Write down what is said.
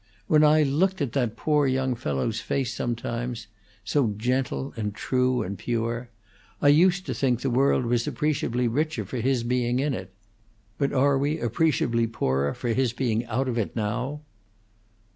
When I looked at that poor young fellow's face sometimes so gentle and true and pure I used to think the world was appreciably richer for his being in it. But are we appreciably poorer for his being out of it now?"